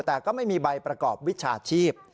แต่ก็ไม่มีใบประกอบวิชาชีพ